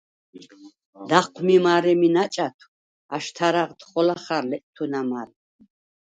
ლაჴვმი მა̄რე̄მი ნაჭათვ აშთა̄რაღდ ხოლა ხა̄რ ლეჭვთუნა მა̄რა.